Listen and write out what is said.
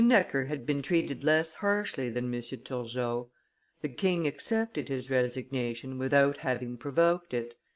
Necker had been treated less harshly than M. Turgot. The king accepted his resignation without having provoked it.